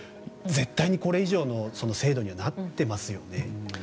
絶対にこれ以上の精度にはなっていますよね。